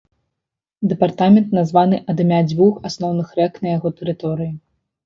Дэпартамент названы ад імя дзвюх асноўных рэк на яго тэрыторыі.